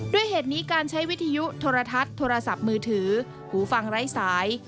ด้วยเหตุนี้การใช้วิทยุโทรทัศน์โทรศัพท์มือถือหูฟังไร้สาย